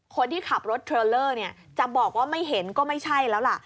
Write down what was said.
คนที่ขับรถเทรลเลอร์จะบอกว่าไม่เห็นก็ไม่ใช่แล้วล่ะ